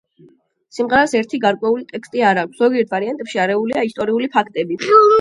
სიმღერას ერთი გარკვეული ტექსტი არ აქვს, ზოგიერთ ვარიანტში არეულია ისტორიული ფაქტები.